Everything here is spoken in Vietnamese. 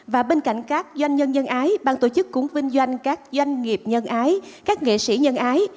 và bên cạnh các doanh nhân nhân ái bang tổ chức cũng vinh doanh các doanh nghiệp nhân ái các nghệ sĩ nhân ái